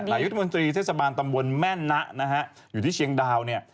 ยุทธมนตรีเทศบาลตำบลแม่นะนะฮะอยู่ที่เชียงดาวเนี่ย